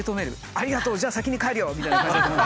「ありがとう！じゃあ先に帰るよ」みたいな感じだと思う。